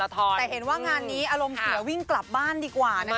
แต่เห็นว่างานนี้อารมณ์เสียวิ่งกลับบ้านดีกว่านะคะ